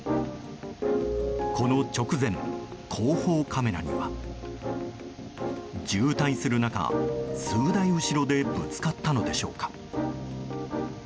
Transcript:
この直前、後方カメラには。渋滞する中、数台後ろでぶつかったのでしょうか。